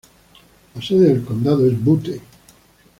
La sede del condado es Butte.